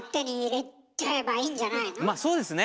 まあそうですね。